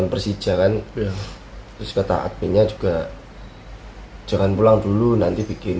persijakan terus kata adminnya juga jangan pulang dulu nanti bikin